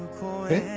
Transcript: えっ？